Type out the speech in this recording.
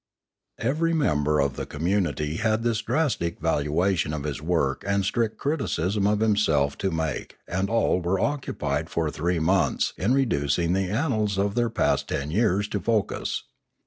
The Manora and the Imanora 543 Every mature member of the community had this drastic valuation of his work and strict criticism of himself to make and all were occupied for three months in reducing the annals of their past ten years to focus.